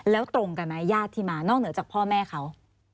แล้วตรงกันไหมญาติที่มานอกเหนือจากพ่อแม่เขา